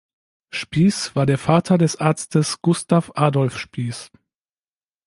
Spiess war der Vater des Arztes Gustav Adolph Spiess.